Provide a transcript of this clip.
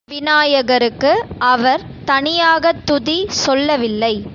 விநாயகருக்கு அவர் தனியாகத் துதி சொல்லவில்லை.